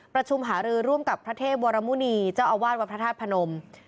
ประชุมหารือร่วมกับพระเทพวรมุณีเจ้าอาวาสวัดพระธาตุพนม